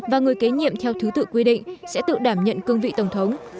và người kế nhiệm theo thứ tự quy định sẽ tự đảm nhận cương vị tổng thống